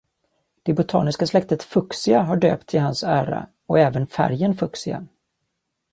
Det botaniska släktet Fuchsia har döpts i hans ära och även färgen fuchsia.